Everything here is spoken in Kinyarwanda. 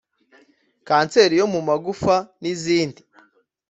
kanseri yo mu magufa n’izindi